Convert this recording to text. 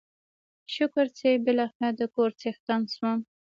شکر چې بلاخره دکور څښتن شوم.